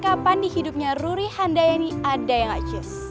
kenapa nih hidupnya ruri handa yeni ada ya gak cius